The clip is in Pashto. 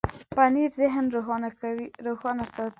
پنېر ذهن روښانه ساتي.